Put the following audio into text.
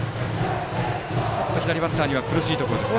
ちょっと左バッターには苦しいところか。